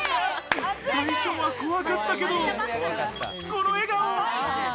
最初は怖かったけど、この笑顔。